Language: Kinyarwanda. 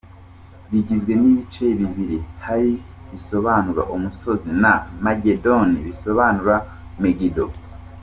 Rigizwe n’ibice bibiri, “Har” risobanura “Umusozi” na “Magedone” bivuga “Megiddo.